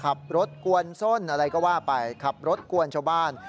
ขับรถกวนส้นอะไรก็ว่าไปขับรถกวนชาวบ้าน